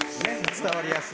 伝わりやすい。